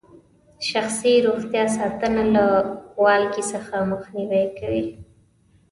شخصي روغتیا ساتنه له والګي څخه مخنیوي کوي.